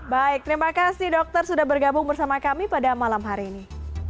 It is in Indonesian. baik terima kasih dokter sudah bergabung bersama kami pada malam hari ini